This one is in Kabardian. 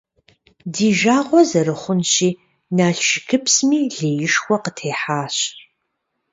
Ди жагъуэ зэрыхъунщи, Налшыкыпсми леишхуэ къытехьащ.